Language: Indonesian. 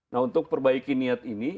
nah untuk perbaiki niat ini